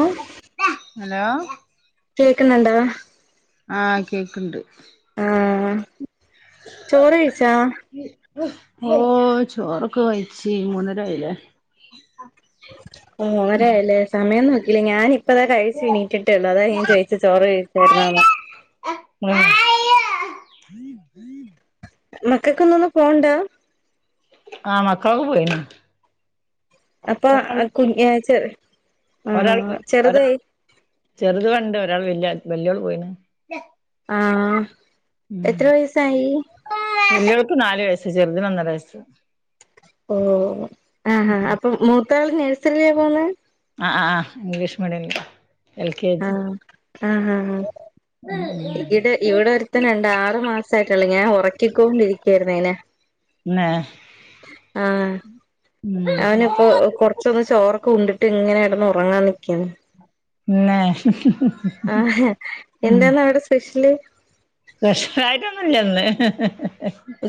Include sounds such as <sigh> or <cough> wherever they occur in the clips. ഓ hello കേക്കുന്നുണ്ടോ ആ കേൾക്കണ്ട് ആഹ ചോറ് കഴിച്ചാ ഓ ചോറൊക്കെ കഴിച്ചു മൂന്നര ആയിലേ ഓ അങ്ങനരല്ലേ സമയം നോക്കില്ലേ ഞാനാന് ഇപ്പതാ കഴിച്ചു നീട്ടിട്ട ഉള്ള അതാ ഞാൻ ചോദിച്ച ചോറ് കഴിച്ചായിരുന്നൊന്നു ഉം മക്കൾക്ക ഇന്ന് ഒന്ന് പോണ്ട ആ മക്കളോ ക്കെ പോയിണ് അപ്പൊ ഒരാൾ കുഞ്ഞച ഒരാൾ ഒ ചെറുത് ഉണ്ട് ഒരാൾ വല്യ ആള് പോയിണ് ആഹ എത്ര വയസായി വലിയോൾക്ക് നാല് വയസ്സ് ചെറുതിന് ഒന്നര വയസ്സ് ഓ ആഹാ ഉം അപ്പൊ മൂത്താള് നേഴ്സറയിലാ പോന്ന ആ ആ ഇംഗ്ലീഷ് മീഡിയമില് ആഹ ആഹ ആഹ് ഈടെ ഇവിടെ ഒരരുത്തൻ ണ്ട് ആറ് മാസ ആയിട്ടുള്ളൂ ഞാൻ ഉറക്കിക്കൊണ്ടിരിക്കയായിരുന്നു അയിനെ തന്നെ ആഹ അവന് പ്പെ കൊറച്ചൊന്ന് ചോറൊക്കെ ഉണ്ടിട്ട് ഇങ്ങനെ കിടന്ന് ഉറങ്ങാൻ നിക്കെണ് തന്നെ ആ എന്താന്ന അവിടെ സ്പെഷ്യല് സ്പെഷ്യൽ ആയിട്ടൊന്നുല്ല ഇന്ന്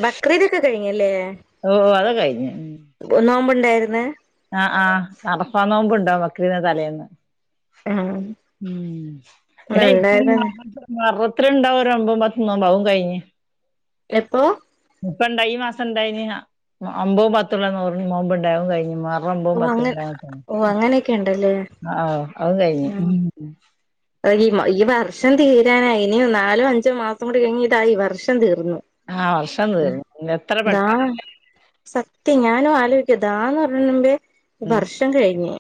ബക്രീദൊക്കെ കഴിഞ്ഞല്ലേ ഓ അതൊക്കെ കഴിഞ്ഞു നോമ്പ് ഇണ്ടായിരുന്ന് ആഹ് ആഹ് അറഫാന്നോമ്പ്ണ്ടോ നമ്മക്ക് തലേന്ന് ആഹ ഉം പിന്നെ ഇപ്പം മുഹറത്തി ഉണ്ടാവും ഒരു ഒമ്പോ പത്തും നോമ്പ് അഹും കഴിഞ്ഞ് എപ്പോ ഇപ്പ ഇണ്ട ഈ മാസം ഇണ്ടായിന ഒമ്പും പത്തുള്ള നോമ്പ് ണ്ടായി അതും കഴിന്നിനു പറ ഓ അങ്ങന ഓ അങ്ങനെയൊക്കെ ഉണ്ടല്ലേ ആഹ് ആഹ് അഹ്കഴിഞ്ഞ് ഈ വർഷം തീരാനയി ഇനിയും നാലോ അഞ്ചോ മാസം കൂടി കഴിഞ്ഞി ഇതാ ഈ വർഷം തീർന്നു ആഹ് വർഷം ഹെ തീർന്നു എത്ര ന്താ പെട്ടെന്ന് സത്യം ഞാനും ആലോചിക്കും താ പറ്ന്ന് മുപേ ഉം വർഷം കഴിഞ്ഞു.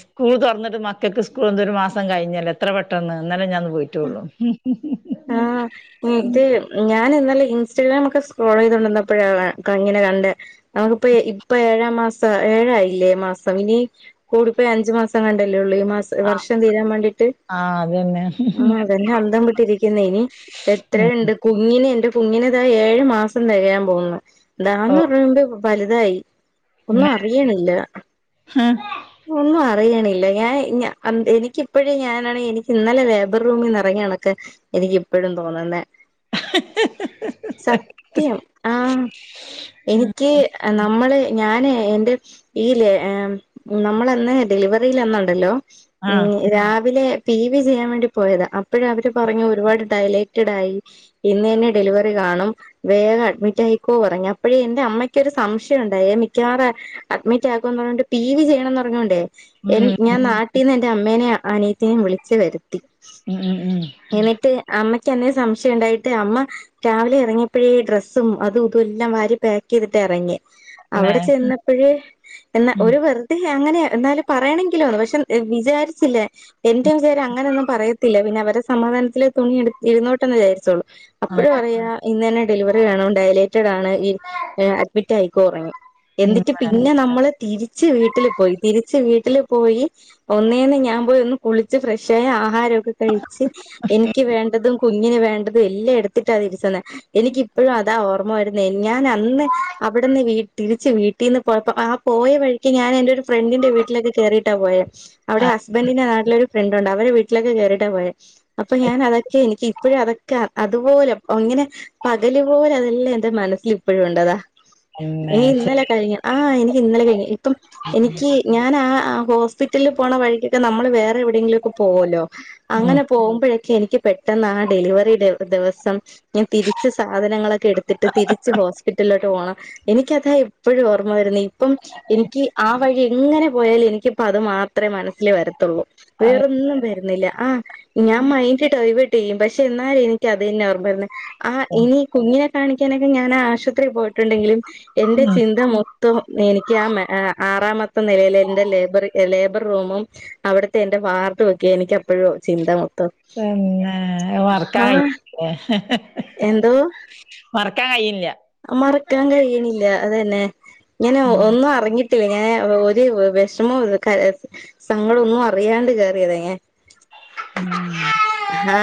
സ്കൂൾ തുറന്നിട്ട് മക്കൾക്ക് സ്കൂൾ എന്തരു മാസം കഴിഞ്ഞാല്ലോ എത്ര പെട്ടെന്ന് ഇന്നലെ മിഞ്ഞാന്ന് പോയിട്ടോള്ളൂ ആഹ ഇത് ഞാൻ ഇന്നാല ഇൻസ്റ്റാഗ്രാമേക്കെ സ്രോൾ ചെയ്തൊണ്ടിന്നപ്പോഴാണ് ഇങ്ങനെ കണ്ട് നമുക്കിപ്പ ഇപ്പൊ ഏഴാം മാസം ഏഴായിയില്ലേ മാസം ഇനി കൂടിപ്പോയ അഞ്ച് മാസം കണ്ടല്ലേള്ളൂ ഈ മാസം വർഷം തീരാൻ വേണ്ടിട്ട് ആഹ് അതന്നെ ആ അതന്നെ അന്തം വിട്ടിരിക്ക ഇനി എത്രണ്ട് കുഞ്ഞിന് എന്റെ കുഞ്ഞിന് താ ഏഴു മാസം തികയാൻ പോകുന്നു. ഓ ഇതാന്ന് പറയുമ്പോ വലുതായി ഒന്നും പിന്നെ അറിയണില്ല ഒന്നും അറിയണില്ല ഞാൻ ഞ എനിക്കിപ്പഴേ ഞാനാണെങ്ക എനിക്ക് ഇന്നലെ ലേബർ റൂമിൽന്ന് ഇറങ്ങിയാണ് എനിക്ക്പ്പോഴും തോന്നുന്നേ <unintelligible> സത്യം ആഹ എനിക്ക് നമ്മള് ഞാന് എന്റെ ഈ ലേ ഹെ നമ്മളന്ന് ഡെലിവറി ലന്ന് ഉണ്ടല്ലോ ഉ ആഹ് രാവിലെ പി വി ചെയ്യാൻ വേണ്ടി പോയത അപ്പോഴ അവര് പറഞ്ഞു ഒരുപാട് ഡയലൈറ്റഡ ആയി ഇന്ന് തന്നെ ഡെലിവറി കാണും. വേഗം അഡ്മിറ്റ് ആയിക്കോ പറഞ്ഞ അപ്പഴേ എന്റെ അമ്മയ്ക്കൊ ഒരു സംശയം ഉണ്ടായി മിക്കവാറ അഡ്മിറ്റ് ആക്കുംന്ന് പറഞ്ഞോണ്ട് പി വി ചെയ്യണംന്ന് പറഞ്ഞോണ്ടേ ഉം എന് ഉം ഞാൻ നാട്ടിൽന്ന് എൻറെ അമ്മേനെ അനിയത്തിനും വിളിച്ചു വരുത്തി. ഉം ഉം ഉം എന്നിട്ട് അമ്മയ്ക്ക്ന്നേ സംശയം ഇണ്ടായിട്ട് അമ്മ രാവിലെ ഇറങ്ങിയപ്പോഴേ ഡ്രസ്സും അതും ഇതുംഎല്ലാം വാരി പാക്ക് ചെയ്തിട്ട് ഇറങ്ങി. പിന്നെ അവിടെ ചെന്നപ്പോഴേ എന്നാ ഉം ഒരു വെറു അങ്ങനെയ എന്നാലും പറയണമെങ്കിലോന്ന് പക്ഷെ വിചാരിച്ചില്ലേ എന്റെവിചാരം അങ്ങനെയൊന്നും പറയത്തില്ല പിന്നെ അവരെ സമാധാനത്തില തുണി എടു ഇരുന്നോട്ടെന്ന് വിചാരിച്ചുളളൂ. അപ്പോഴ ആഹ് പറയാ! ഇന്ന് തന്നെ ഡെലിവറി വേണം ഡയലേറ്റഡ് ആണ് ഈ അഡ്മിറ്റ് ആയിക്കോ പറഞ്ഞ്. എന്നിട്ട് ഉം പിന്നെ നമ്മള് തിരിച്ച് വീട്ടില് പോയി. തിരിച്ച് വീട്ടില് പോയി ഒന്നേന്ന് ഞാൻ പോയി ഒന്ന് കുളിച്ച് ഫ്രഷായി ആഹാരമൊക്കെ എനിക്ക് വേണ്ടതും കുഞ്ഞിനു വേണ്ടതും എല്ലാം എടുത്തിട്ടാ തിരിച്ചു വന്നെ. എനിക്കിപ്പഴും അതാ ഓർമ്മ വരുന്നേ. ഞാൻ അന്ന് അവിടെന്ന് തിരിച്ച് വീട്ടീന്നു പോയപ്പോ ആ പോയ വഴിക്ക് ഞാൻ എന്റെ ഒരു ഫ്രണ്ടിന്റെ വീട്ടിലൊക്കെ കേറിയിട്ടാ പോയ. അവിടെ ഹസ്ബൻഡിന്റെ നാട്ടിലൊരു ഫ്രണ്ടുണ്ട്. അവരെ വീട്ടിലൊക്കെ കേറിട്ടാ പോയെ. അപ്പൊ ഞാൻ അതൊക്കെ എനിക്ക് ഇപ്പഴും അതൊക്കെ അതുപോലെ അങ്ങനെ! പകല് പോലെ അതെല്ലാം എന്റെ മനസ്സിൽ ഇപ്പോഴും ഉണ്ട്. അതാ പിന്നെ ഇനി ചെ ഇന്നലെ കഴിഞ്ഞു. ആ എനിക്ക് ഇന്നലെ കഴിഞ്ഞു. ഇപ്പം എനിക്ക് ഞാൻ ആ ഹോസ്പിറ്റലിൽ പോണ വഴിക്കൊക്കെ നമ്മള് വേറെ എവിടെയെങ്കിലും പോവല്ലോ. ഉം അങ്ങനെ പോകുമ്പോഴക്കെ എനിക്ക് പെട്ടെന്ന് ആ ഡെലിവറിടെ ഒരു ദിവസം! ഞൻ തിരിച്ച് സാധനങ്ങളൊക്കെ എടുത്തിട്ട് തിരിച്ച് ഹോസ്പിറ്റലിലോട്ട് പോണം. എനിക്കതാ എപ്പോഴും ഓർമ്മ വരുന്നെ. ഇപ്പം എനിക്ക് ആ വഴി എങ്ങനെ പോയാലും എനിക്കിപ്പ അത് മാത്രമേ മനസ്സില് വരത്തുള്ളൂ. അഹ് വേറൊന്നും വരുന്നില്ല. ആഹ്! ഞാൻ മൈൻഡ് ഡൈവേർട്ട് ചെയ്യും. പക്ഷെ എന്നാലും എനിക്ക് അത് തന്നെ ഓർമ്മ വരുന്നെ. ആ ഉം ഇനി! കുഞ്ഞിനെ കാണിക്കാനൊക്കെ ഞാൻ ആശുപത്രിയിൽ പോയിട്ടുണ്ടെങ്കിലും എന്റെ ചിന്ത മൊ ത്തം എനിക്ക് ആ ആറാമത്തെ നിലയിലെ എന്റെ ലേബർ ലേബർ റൂമും അവിടത്തെ എന്റെ വാർഡു വൊക്കെയാ എനിക്കെപ്പഴും ചിന്ത മൊത്തം. പിന്നെ ആ വർക്കായി ഇല്ല! എന്തോ! മറക്കാൻ കയ്യില്ല മറക്കാൻ കയ്യ്ണില്ല അതെന്നെ ഞാന് ഉം ഒന്നും അറിഞ്ഞ് ട്ടില്ല ഞാൻ ഒരു വെഷമവും കര സങ്കടൊന്നും അറിയാണ്ട് കേറിയതാ ഞാൻ <inaudible>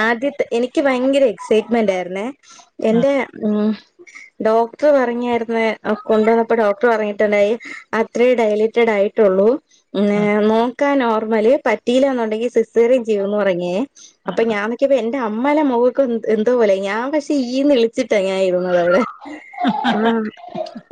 ആദ്യത്തെ എനിക്ക് ഭയങ്കര എക്സൈറ്റ്മെന്റായിരുന്നേ എന്റെ ഉം ഡോക്ടർ പറഞ്ഞായിരുന്ന് കൊണ്ടുവന്നപ്പോ ഡോക്ടർ പറ ട്ടടായി അത്രേ ഡയലേറ്റഡായിട്ടുള്ളൂ ആഹ് നോക്കാ നോർമല് പ റ്റില്ലാന്നുണ്ടെങ്കിൽ സിസേറിയൻ ചെയ്യണമെന്നു പറഞേ അപ്പൊ ആഹ് ഞാൻ ക്ക്യപ്പോ എ പി അമ്മേലെ മൊഖൊക്കെ എന്തോ പോലായി ഞാൻ പക്ഷെ ഈന്ന് ളിച്ചിട്ടാ ഞാരുന്നത് അവടെ ആ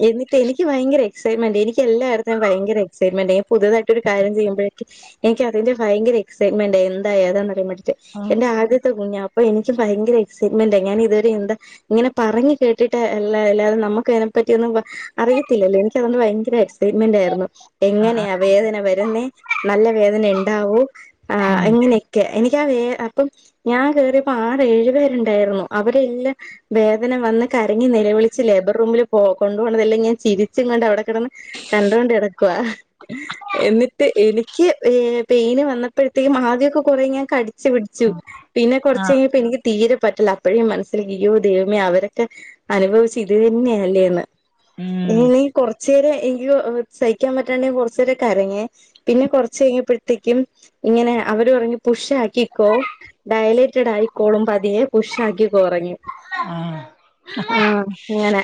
എന്നിട്ട് എനിക്ക് ഭയങ്കര എക്സൈറ്റ്മെന്റ് എനിക്ക് എല്ലാരെട്ത്തും ഭയങ്കര എക് സൈറ്റ്മെന്റ് പുതുതായിട്ടൊരു കാര്യം ചെയുമ്പോഴേക്ക് എനിക്ക് അതിന്റെ ഭയങ്കര എക് എക്സൈറ്റ്മെൻ്റായി എന്താ എതാന്ന് അറിയാവേണ്ടിട്ട് എന്റെ ആദ്യത്തെ കുഞ്ഞാ അപ്പൊ എനിക്ക് ഭയങ്കര എക്സൈറ്റ്മെന്റായി ഞാനിതുവരെ എന്താ ഇങ്ങനെ പറഞ്ഞ് കേട്ട് ട്ട് എല്ലാ എല്ലാതെ നമുക്ക് അതിനെ പറ്റി ഒന്നും അറിയത്തില്ലല്ലോ എനിക്കതൊണ്ട് ഭയങ്കര എക്സൈറ്റ്മെന്റായിരുന്നു ആഹ് ആഹ് എങ്ങനെയാ വേദന വരുന്നേ നല്ല വേദന ണ്ടാവോ ആ ആഹ് ഉം അങ്ങനെ ക്കെ എനിക്കാ വേ അപ്പം ഞാൻ കേറിയപ്പോ ആറേഴു പേരുണ്ടായിരുന്നു അവരെല്ലാം വേദന വന്ന് കരഞ്ഞ് നിലവിളിച്ച് ലേബർ റൂമില് കൊണ്ട് പോകുന്നതെല്ലാം ഞാൻ ചിരിച്ചും കൊണ്ട് അവിടെ കെടന്ന് കണ്ടൊണ്ട് കെടക്കുവാ എന്നിട്ട് എനിക്ക് ഏ പെയിന് വന്നപ്പോഴത്തേക്കും ആദ്യോക്കെ കൊറെ ഞാൻ കടി ടിച്ചു പിടിച്ചു പിന്നെ കൊറച്ചു ആഹ് കഴിഞ്ഞപ്പ എനിക്ക് തീരെ പറ്റില്ല അപ്പഴേ ഞാൻമനസ്സിൽ യ്യോ ദേവമേ അവരെ ക്കെ അനുഭവിച്ച ഇത് തന്നെയല്ലേന്ന് ഉം <unintelligible> കൊർച്ചേരം എനിക്ക് സഹിക്കാൻ പറ്റാണ്ടായി കൊർച്ചേരം കരഞ്ഞെ പിന്നെ കൊർച്ചയ്ഞ്ഞപ്പത്തേക്കും ഇങ്ങനെ അവര് പറഞ്ഞു പുഷാക്കിക്കോ ഡയലൈറ്റഡായിക്കോളും പതിയെ പുഷാക്കിക്കോന്നു പറഞ്ഞു ആ ആ അങ്ങനെ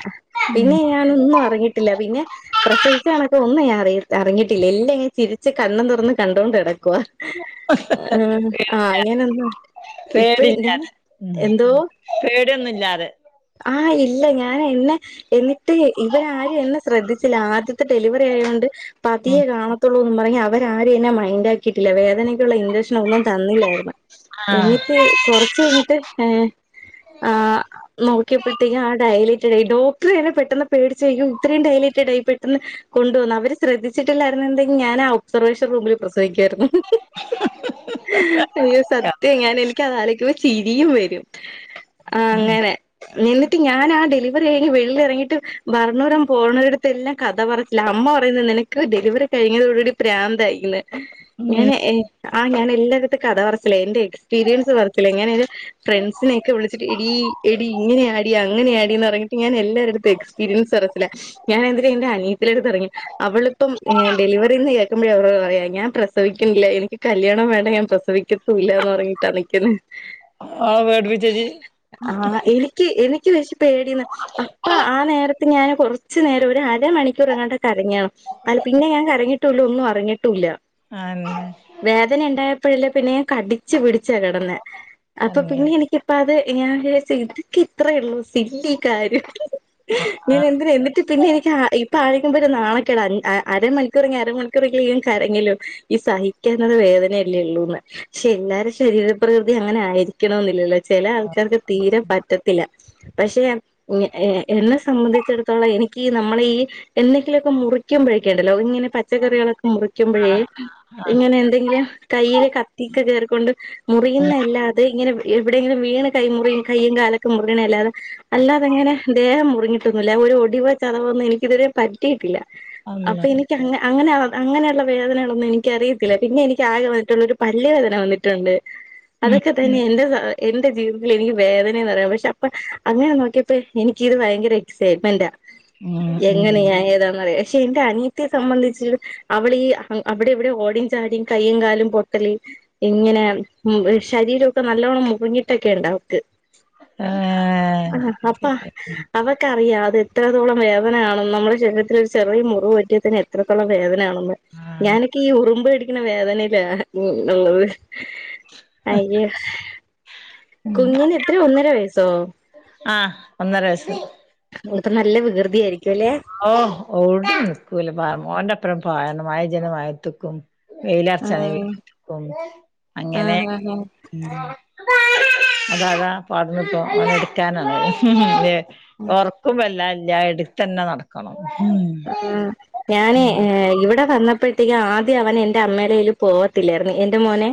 ഉം പിന്നെ ഞാനൊന്നും അറിഞ്ഞിട്ടില്ല പിന്നെ പ്രസവിച്ച കണൊക്കെ ഒന്നും ഞാൻ അറി അറിഞ്ഞിട്ടില്ല എല്ലാ ങ്ങനെ ചിരിച്ച് കണ്ണം തൊറന്ന് കണ്ടോണ്ട് കെടക്കുവാ ആ ആ ങ്ങാനന്ന് ഇപ്പഴേ ഞാന് പേടില്ലാതെ ഉം എന്തോ പേടിയൊന്നുല്ലാതെ ആ ഇല്ല ഞാന് ഇന്ന് എന്നിട്ട് ഇവരാരും എന്നെ ശ്രദ്ധിച്ചില്ല ആദ്യത്തെ ഡെലിവറിയായോണ്ട് ഉം പതിയെ കാണ ത്തൊള്ളൂന്നും പറഞ് അവരാരെന്നെ മൈൻഡാക്കിയിട്ടില്ല വേദനയ്ക്കുള്ള ഇൻചക്ഷനൊന്നും തന്നില്ലായിര്ന്ന് ആഹ് എന്നിറ്റ് കൊർച്ചയ്ഞ്ട്ട് ഏ ആ നോ ക്ക്യപ്പോഴത്തേക്കും ആ ഡയലേറ്റഡായി ഡോക്ടറെന്നെ പെട്ടെന്ന് പേടിച്ചു യ്യോ ഇത്രയും ഡയലേറ്റഡായി പെട്ടെന്ന് കൊണ്ട് വന്ന് അവര് ശ്രദ്ധിച്ചിട്ടില്ലായിരുന്നുണ്ടെങ്കിൽ ഞാൻ ആ ഒബ്സർവേഷൻ റൂമിൽ പ്രസവിക്കായിരുന്നു അയ്യോ സത്യം ഞാന് എനിക്ക് അത് ആലോയ്ക്കുമ്പോ ചിരിയും വെരും ആ ഉം അങ്ങനെ എന്നിട്ട് ഞാൻ ആ ഡെലിവറിയ്ഞ് വീട്ട്ന്ന് എറങ്ങിട്ടും ഭരണൂരം പോണോരെട്ത്തെല്ലം കഥ പറ ല്ല അമ്മ പറയുന്ന് നിനക്ക് ഡെലിവറി കഴിഞ്ഞതോടുകൂടി പ്രാന്തായിന്ന് ഉം ഞാന് എ ആ ഞാനെല്ലാരെട്ത്തും കഥ പറച്ചില എന്റെ എക്സ്പീരിയൻസ് പറച്ചില ഇങ്ങളനൊരു ഫ്രണ്ട്സിനൊക്കെ വിളിച്ചിട്ട് എടീ എ ടി ഇങ്ങനാടി അങ്ങനാടി ർഞ്ട്ട് ഞാൻ എല്ലാരെട്ത്തും എക്സ്പീരിൻസ്ർച്ചില ഞാനെ ന്തിനാ എന്റെ അനിയത്തിന്റെ ട്ത്തെറങ്ങി അവളിപ്പം എ ഡെലിവറിന്ന് കേക്കുമ്പോ അവൾ പറയാ ഞാൻ പ്രസവിക്കുന്നില്ല എനിക്ക് കല്യാണം വേണ്ട ഞാൻ പ്രസവിക്ക ത്തുല്ല പർഞ്ഞിട്ടാ നിക്കുന്നെ ആഹ് <unintelligible> എനിക്ക് എനിക്ക് <unintelligible> പേടിന്ന് അപ്പൊ ആ നേരത്ത് ഞാന് കൊർച്ച് നേരം ഒര് അരമണിക്കൂറെങ്ങാണ്ട് കരഞാണും അല്ല പിന്നെ ഞാൻ കരങ്ങിട്ടോളു ഒന്നും അറിങ്ങിട്ടുല്ല ആനെ വേദന ഉണ്ടായപ്പോഴില്ലേ പിന്നെ കടിച്ചു പിടിച്ചാ ക്കെടന്നെ അപ്പൊ തന്നെ പിന്നെ എനിക്കിപ്പ അത് ഞാൻ ഇതൊക്കെ ഇത്ര ഉള്ളൂ സിലി കാര്യം ഞാൻ എന്തിന എന്നിട്ട് പിന്നെ എനിക്ക് ഇപ്പ ആയിക്കുമ്പോ ഒരു നാണക്കെട അ അ അരമണി മിക്കറ അര മണിക്കൂർ കാരങ്കിലും ഈ സഹിക്ക്ണത് വേദനയല്ലേ ഉള്ളൂന്ന് പക്ഷെ എല്ലാരും ശരീരപ്രകൃതി അങ്ങനെ ആയിരിക്കണ എന്നില്ലല്ലോ ചില ആൾക്കാർക്ക് തീരെ പറ്റത്തില്ല പക്ഷെ എ എ എന്നെ സംബന്ധിച്ചിടുത്തോളം എനിക്ക് നമ്മളെ ഈ എന്തെങ്കിലുക്കെ മുറിക്കുമ്പോഴേക്ക് ഇണ്ടല്ലോ ഇങ്ങനെ പച്ചക്കറികളൊക്കെ മുറിക്കുമ്പോഴേ ഇങ്ങനെ എന്തെങ്കിലും കയ്യില് കത്തിക്കെ കേർക്കൊണ്ട് ആഹ് മുറിയുന്നല്ലാതെ ഇങ്ങനെ എവിടെയെങ്കിലും വീണ് കൈ മുറിയും കയും കാലൊക്കെ മുറിയുന്ന ല്ലാതെ അല്ലാതെങ്ങനെ ദേഹം മുറിങ്ങിയിട്ടൊന്നുല്ല ഒരു ഒടിവോ ചതവൊന്നും എനിക്ക് ഇതുവരെ പറ്റിയിട്ടില്ല അപ്പൊ അള്ളാ എനിക്ക് അങ്ങ അങ്ങനെ അങ്ങനെയുള്ള വേദനകളൊന്നും എനിക്കറിയത്തില്ല പിന്നെ എനിക്ക് ആഗ്രഹ ഒറ്റള്ളരു പല്ല് വേദന വന്നിട്ടുണ്ട് ഉം അതൊക്കെ തന്നെ എന്റെ എന്റെ ജീവിതത്തിൽ എനിക്ക് വേദനന്ന് പറയാ പ ക്ഷെ അപ്പൊ അങ്ങനെ നോക്കിയപ്പോ എനിക്കിത് ഭയങ്കര എക്സൈറ്റ്മെന്റ് ഉം ഉം എങ്ങനെയ ഞാൻ ഏതാന്ന്റ പക്ഷെ എന്റെ അനിയ ത്തി സംബന്ധിച്ചിച്ച് അവടെ ഈ അവിടെ എവിടെ ഓടും ചാടും കയ്യും കാലും പൊട്ടല് ഇങ്ങനെ ശരീരൊക്കെ നല്ലോണ്ണം മുറങ്ങിട്ടൊക്കെ ഇണ്ട അവക്ക് ആഹ് ആഹ് അപ്പ അതൊക്കെ അറിയാം അത് എത്രത്തോളം വേദനണ നമ്മുടെ ശരീരത്തിൽ ഒരു ചെറിയ മുറിവ് പറ്റിയത്തി എത്രതോള്ള വേദനയാണന്ന് ഞാനൊക്കെ ഈ ഉറുമ്പ് എടിക്കുന്ന വേദനയിലാള്ളത് അയ്യോ കുഞ്ഞിന് എത്രയ ഒന്നര വയസ്സോ ആഹ് ഒന്നര വയസ്സ്‌ മോള് പ്പം നല്ല വികൃതിയയിരിക്കും ല്ലേ ഓ ഓടും നിക്കൂല മോന്റെ അപ്പറം പായണം മഴ പെജണെങ്കി മഴത്ത്ക്കും വെയിലറച്ചാണേങ്കി ആഹ് <unintelligible> അങ്ങനെ ആഹ് അതതാ പാടന്ന്പ്പം ഓനെ എടുക്കാനാണയ് ഉം ഉം ലേ. ഒറക്കും വല്ലാ ഇല്ല്യാ ഇട്ത്തെന്നെ നടക്കണം ഉം ഉം ഞാന് ഇവടെ വന്നപ്പഴത്തേക്കും ആദ്യം അവനെന്റെ അമ്മേടേയില് പോവത്തില്ലായിര്ന്നു എന്റെ മോനേ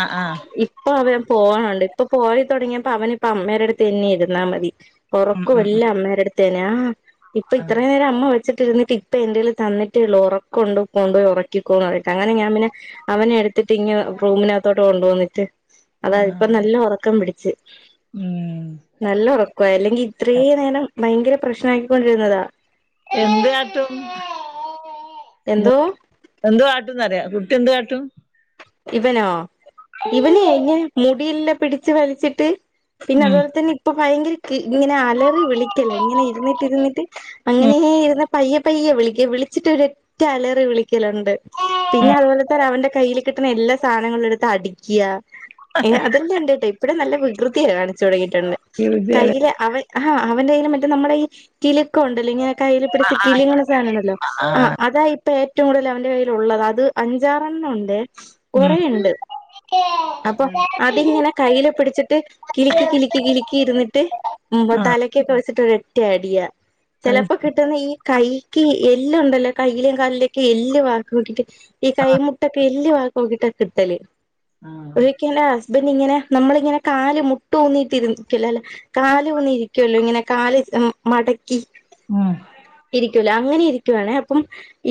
ആഹ് ആഹ്. ഇപ്പൊ അവൻ പോവണൊണ്ട് ഇപ്പൊ പോയി തൊടങ്ങിയപ്പോ അവന് ഇപ്പ അമ്മേടെ അടുത്തെന്നെ ഇരുന്നാ മതി. ഉം ഉം ഉം ഒറക്കവെല്ലാം അമ്മേടടുത്തെന്നാ ആഹ് ഇപ്പൊ ആഹ് ഇത്രോം നേരം അമ്മ വച്ചിട്ടിരുന്നിട്ട് ഇപ്പ എൻ്റേൽ തന്നിട്ടേള്ളു ഒറക്കൊണ്ട് കൊണ്ട്പോയി ഒറക്കിക്കൊന്നറഞ്ഞിട്ട് അങ്ങനെ ഞാൻ പിന്നെ അവനെടുത്തിട്ട് ഇങ്ങ് റൂമിനാത്തോട്ട് കൊണ്ടോ ന്നിട്ട് അതാ ഇപ്പൊ ആഹ് നല്ല ഒറക്കം പിടിച്ച്. ഉം നല്ല ഒറക്കവായി അല്ലെങ്കീ ഇത്രേം നേരം ഭയങ്കര പ്രശ്നമായ്ക്കൊണ്ടിരുന്നതാ. എന്ത് കാട്ടും? എന്തോ എന്ത് കാട്ടുന്നറയാ കുട്ടി എന്ത് കാട്ടും ഇവനോ ഇവന് എന്നെ ഉം മുടിയെല്ലാ പിടിച്ച് വലിച്ചിട്ട് ഉം പിന്നതുപോല് തന്നെ ഇപ്പ ഭയങ്കര ഇങ്ങനെ അലറി വിളിക്കലാ ഇങ്ങനെ ഇരുന്നിട്ടിരുന്നിട്ട് അങ്ങനെ ഇരുന്ന പയ്യ പയ്യെ വിളിക്കേ വിളിച്ചിട്ട് ഒരെറ്റലറി വിളിക്കലുണ്ട് പിന്നെ അതുപോലെ തന്നെ അവൻ്റെ കയ്യ്ല് കിട്ട്ണെ എല്ലാ സാധനങ്ങളെടുത്ത് അടിക്ക്യാ അതെല്ലാം ഇണ്ട്ട്ടോ ഇപ്പയേ നല്ല വികൃതിയാ കാണിച്ചു തൊടങ്ങീട്ട്ണ്ട്. ഉം കയ്യില് അവൻ ആഹ് അവൻ്റേയില് മറ്റേ നമ്മടെ ഈ കിലുക്ക ഒണ്ടല്ല ഇങ്ങനെ കയ്യിൽ ആ പിടിച്ച് ആ കിലിങ്ങ്ണ സാനണ്ടല്ലോ ആ ആഹ് അതായി ഇപ്പൊ ഏറ്റവും കൂടുതലവന്റെ കയ്യിലൊള്ളത് അത് അഞ്ചാറെണ്ണവുണ്ടേ കൊറേയ്ണ്ട്. ഏഹ്. അപ്പൊ അതിങ്ങനെ കയ്യില് പിടിച്ചിട്ട് കിലിക്കി കിലിക്കി കിലി ക്കി ഇരുന്നിട്ട് ആ തലക്കൊക്കെ വെച്ചിട്ട് ഒരൊറ്റയടിയാ അത് ചെലപ്പോ കി കിട്ടന്നേ ഈ കൈയ്ക്ക് എല്ല് ഒണ്ടല്ലോ കൈയിലും കാലിലൊക്കെ എല്ല് വ <unintelligible> ഈ കൈ മുട്ടൊക്കെ എല്ല് വാക്കോക്കീട്ടാ കിട്ടല് ആ എന്റെ ഹസ്ബന്റ് ഇങ്ങനെ നമ്മളിങ്ങനെ കാല് മുട്ട് ഊന്നിട്ടിരിക്കലല്ലേ കാലൂന്നി ഇരിക്കുവല്ലോ ഇങ്ങനെ കാല് മടക്കി ആഹ്. ഇരിക്കൂലേ അങ്ങനെ ഇരിക്കുവാണേ, അപ്പം